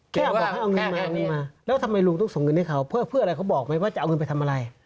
บอกให้เอาเงินมาอันนี้มาแล้วทำไมลุงต้องส่งเงินให้เขาเพื่ออะไรเขาบอกไหมว่าจะเอาเงินไปทำอะไร